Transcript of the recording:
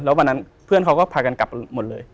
แล้ววันนั้นเพื่อนเขาก็พากันกลับหมดเลย